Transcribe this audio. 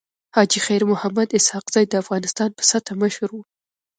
حاجي خير محمد اسحق زی د افغانستان په سطحه مشر وو.